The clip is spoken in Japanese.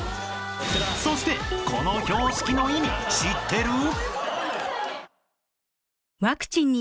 ［そしてこの標識の意味知ってる？］